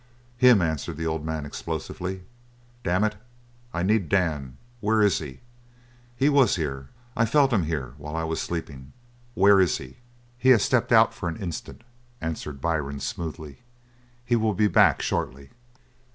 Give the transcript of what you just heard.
"Him!" answered the old man explosively. "Damn it, I need Dan! Where is he? He was here. I felt him here while I was sleepin'. where is he?" "He has stepped out for an instant," answered Byrne smoothly. "He will be back shortly."